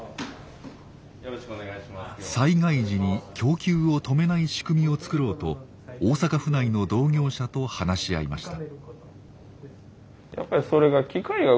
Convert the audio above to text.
災害時に供給を止めない仕組みを作ろうと大阪府内の同業者と話し合いました。